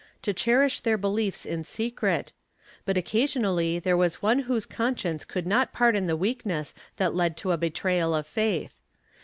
ff£ STAKE [Book VII to cherish their beUefs in secret, but occasionally there was one whose conscience could not pardon the weakness that led to a betrayal of faith.